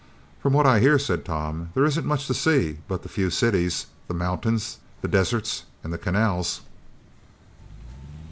"From what I hear," said Tom, "there isn't much to see but the few cities, the mountains, the deserts and the canals."